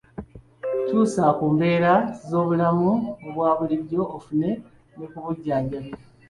Kyusa Ku mbeera z'obulamu obwa bulijjo ofune ne ku bujjanjabi